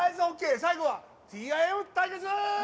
最後はＴＩＭ対決！